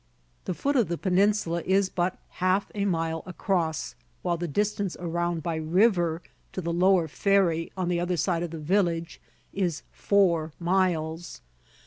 The foot of the peninsula is but half a mile across, while the distance around by river to the lower ferry, on the other side of the village is four miles.